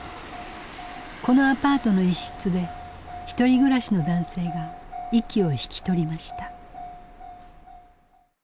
このアパートの１室でひとり暮らしの男性が息を引き取りました。